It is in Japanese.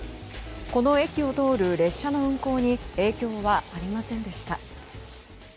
この駅を通る列車の運行に影響はありませんでした。